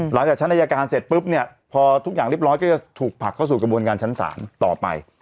หลังจากชั้นอายการเสร็จปุ๊บเนี่ยพอทุกอย่างเรียบร้อยก็จะถูกผลักเข้าสู่กระบวนการชั้นศาลต่อไป